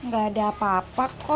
gak ada apa apa kok